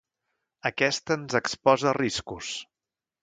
Aquesta ens exposa a riscos.